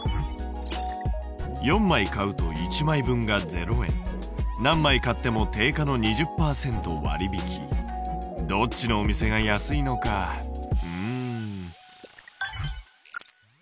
４枚買うと１枚分が０円何枚買っても定価の２０％割引どっちのお店が安いのかうん。